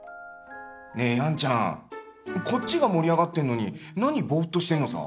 ねえヤンちゃんこっちが盛り上がってんのに何ボーッとしてんのさ！